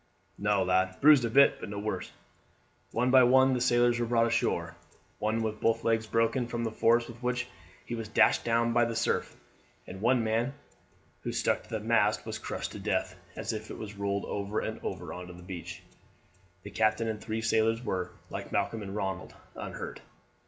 "No, lad; bruised a bit, but no worse." One by one the sailors were brought ashore, one with both legs broken from the force with which he was dashed down by the surf, and one man who stuck to the mast was crushed to death as it was rolled over and over on to the beach. The captain and three sailors were, like Malcolm and Ronald, unhurt.